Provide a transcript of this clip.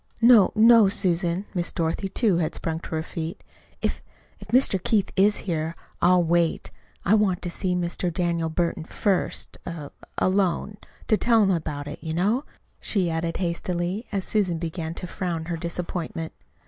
"No, no, Susan!" Miss Dorothy, too, had sprung to her feet. "If if Mr. Keith is here I'll wait. I want to see Mr. Daniel Burton first er alone: to to tell him about it, you know," she added hastily, as Susan began to frown her disappointment.